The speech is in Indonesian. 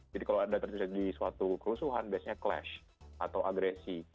jadi kalau ada terjadi suatu kerusuhan biasanya clash atau agresi